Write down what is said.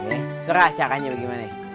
eh serah caranya gimana